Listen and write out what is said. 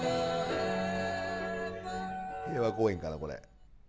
平和公園かなこれ。